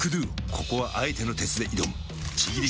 ここはあえての鉄で挑むちぎり